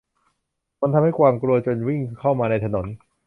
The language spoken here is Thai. มันทำให้กวางกลัวจนวิ่งเข้ามาในถนน